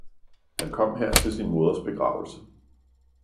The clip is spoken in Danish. han kom her til sin moders begravelse.